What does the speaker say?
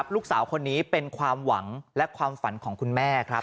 ลูกสาวคนนี้เป็นความหวังและความฝันของคุณแม่ครับ